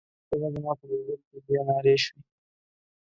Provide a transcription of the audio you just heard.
هماغه شېبه زما په ګوګل کې بیا نارې شوې.